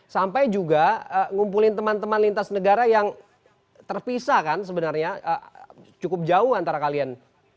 sampai juga ngumpulin teman teman lintas negara yang terpisah kan sebenarnya cukup jauh antara kalian